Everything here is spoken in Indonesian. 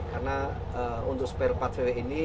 karena untuk spare part vw ini